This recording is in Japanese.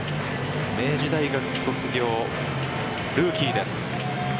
明治大学卒業ルーキーです。